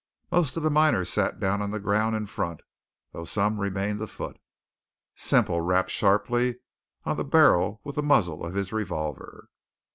Most of the miners sat down on the ground in front, though some remained afoot. Semple rapped sharply on the barrel with the muzzle of his revolver.